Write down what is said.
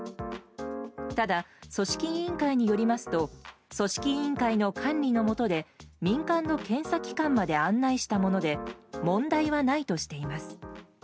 ただ、組織委員会によりますと組織委員会の管理のもとで民間の検査機関まで案内したもので問題はないとしています。